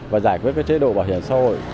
và giải quyết chế độ bảo hiểm xã hội